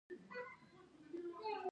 د افغانستان طبیعت له وګړي څخه جوړ شوی دی.